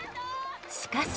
しかし。